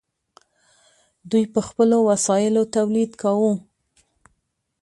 دوی په خپلو وسایلو تولید کاوه.